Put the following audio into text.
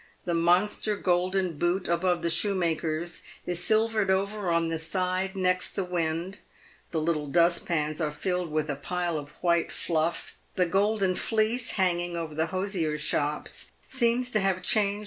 The monster golden boot above the shoemaker's is silvered over on the side next the wind ; the " little dustpans" are filled with a pile of white fluff; the golden fleece, hanging over the hosiers' shops, seems to have changed 6 PAVED WITH GOLD.